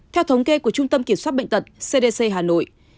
theo thống kê của trung tâm kiểm soát bệnh tật cdc hà nội